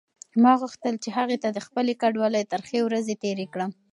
ما غوښتل چې هغې ته د خپلې کډوالۍ ترخې ورځې تېرې کړم.